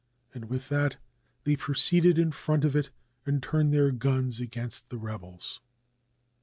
and with that they proceeded in front of it, and turned their guns against the rebels.